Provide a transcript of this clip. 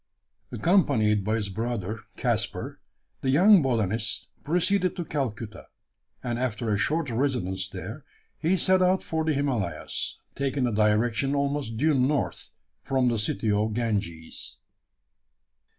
Accompanied by his brother, Caspar, the young botanist proceeded to Calcutta; and, after a short residence there, he set out for the Himalayas taking a direction almost due north from the city of the Ganges.